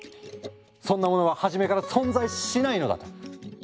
そんなものは初めから存在しないのだと。